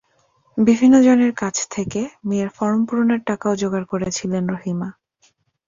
বিভিন্ন জনের কাছ থেকে মেয়ের ফরম পূরণের টাকাও জোগাড় করেছিলেন রহিমা।